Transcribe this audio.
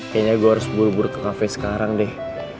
kayaknya gue harus buru buru ke kafe sekarang deh